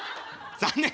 残念。